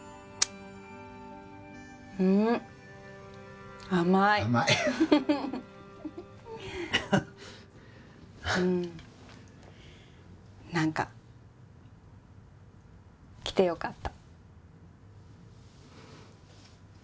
うーん甘い甘い何か来て良かった